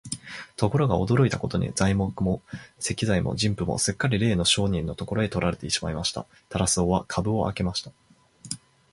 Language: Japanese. ところが、驚いたことには、材木も石材も人夫もすっかりれいの商人のところへ取られてしまいました。タラス王は価を引き上げました。